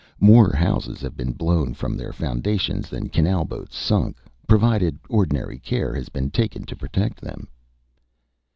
More houses have been blown from their foundations than canal boats sunk, provided ordinary care has been taken to protect them."